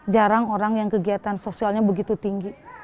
jarang orang yang kegiatan sosialnya begitu tinggi